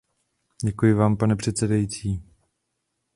Děkuji vám, pane předsedající.